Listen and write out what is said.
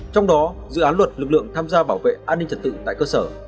trong đó dự án luật lực lượng tham gia bảo vệ an ninh trật tự tại cơ sở